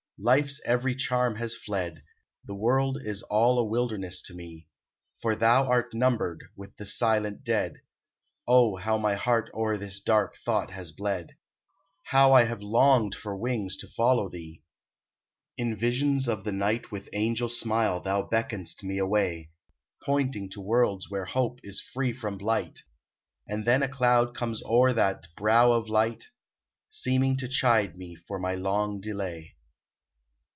Life's every charm has fled, The world is all a wilderness to me; "For thou art numbered with the silent dead." Oh, how my heart o'er this dark thought has bled! How I have longed for wings to follow thee! In visions of the night With angel smile thou beckon'st me away, Pointing to worlds where hope is free from blight; And then a cloud comes o'er that brow of light, Seeming to chide me for my long delay.